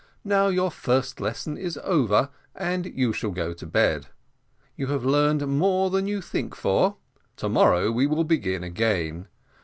Now your first lesson is over, and you shall go to bed. You have learned more than you think for. To morrow we will begin again.